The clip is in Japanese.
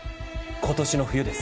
今年の冬です